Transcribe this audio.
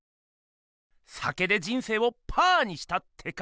酒で人生をパーにしたってか？